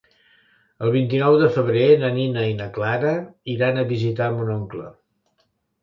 El vint-i-nou de febrer na Nina i na Clara iran a visitar mon oncle.